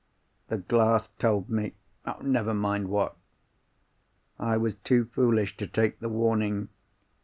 The glass told me—never mind what. I was too foolish to take the warning.